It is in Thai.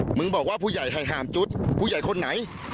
มึงบอกว่าผู้ใหญ่ให้ห้ามจุดผู้ใหญ่คนไหน